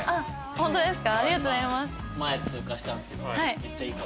ホントですか？